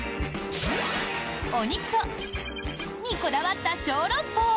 お肉と○○にこだわった小籠包。